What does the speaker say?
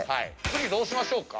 次どうしましょうか？